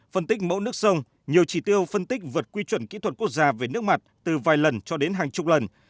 phân tích mẫu nước sông nhiều chỉ tiêu phân tích vượt quy chuẩn kỹ thuật quốc gia về nước mặt từ vài lần cho đến hàng chục lần